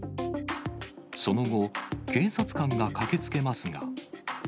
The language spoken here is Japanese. その後、警察官が駆けつけますが。